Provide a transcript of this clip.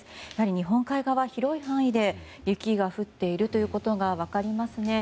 日本海側、広い範囲で雪が降っていることが分かりますね。